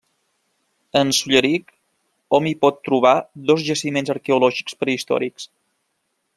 En Solleric hom hi pot trobar dos jaciments arqueològics prehistòrics.